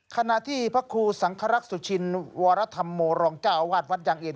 ขณะที่พระครูสังครักษ์สุชินวรธรรมโมรองเจ้าอาวาสวัดยางอื่น